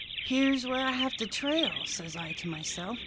"'Here's where I have to trail,' says I to myself.